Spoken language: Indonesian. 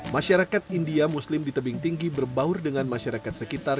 masyarakat india muslim di tebing tinggi berbaur dengan masyarakat sekitar